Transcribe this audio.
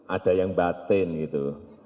ada yang batin gitu